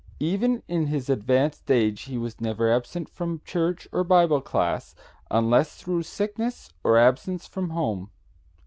Even in his advanced age he was never absent from church or Bible class, unless through sickness or absence from home.